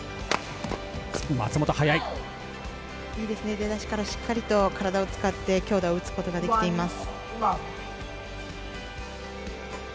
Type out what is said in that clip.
出だしからしっかりと体を使って強打を打つことができています。